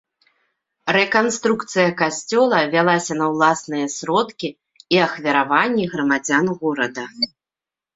Рэканструкцыя касцёла вялася на ўласныя сродкі і ахвяраванні грамадзян горада.